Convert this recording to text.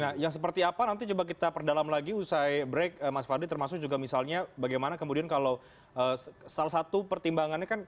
nah yang seperti apa nanti coba kita perdalam lagi usai break mas fadli termasuk juga misalnya bagaimana kemudian kalau salah satu pertimbangannya kan